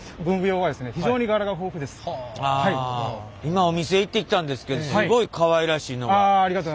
今お店行ってきたんですけどすごいかわいらしいのがありました。